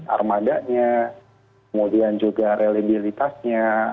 armadanya kemudian juga reliability nya